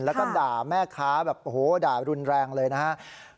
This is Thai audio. แล้วก็ด่าแม่ค้าแบบโอ้โหด่ารุนแรงเลยนะครับ